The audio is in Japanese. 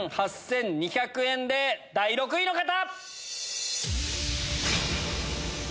１万８２００円で第６位の方！